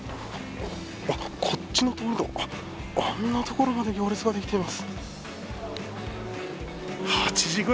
こっちの道路あんな所まで行列ができています。